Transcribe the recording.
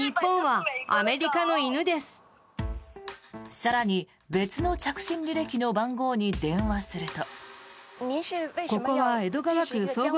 更に、別の着信履歴の番号に電話すると。